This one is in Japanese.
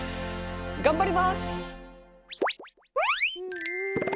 頑張ります！